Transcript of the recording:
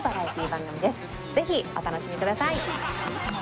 ぜひお楽しみください。